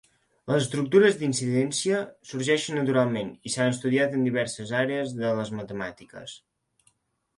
Les estructures d'incidència sorgeixen naturalment i s'han estudiat en diverses àrees de les matemàtiques.